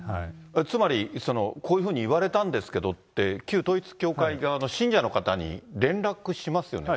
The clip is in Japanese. つまりその、こういうふうに言われたんですけどって、旧統一教会側の信者の方に連絡しますよね。